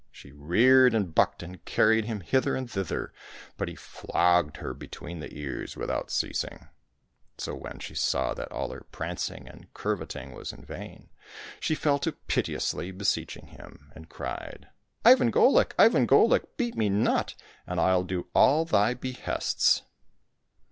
She reared and bucked and carried him hither and thither, but he flogged her between the ears without ceasing. So when she saw that all her prancing and curveting was in vain, she fell to piteously beseeching him, and cried, *' Ivan Golik ! Ivan Golik ! beat me not, and I'll do all thy behests